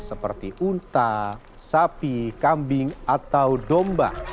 seperti unta sapi kambing atau domba